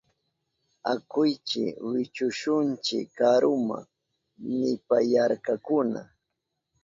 Akuychi wichushunchi karuma, nipayarkakuna.